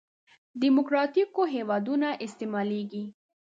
دیموکراتیکو هېوادونو استعمالېږي.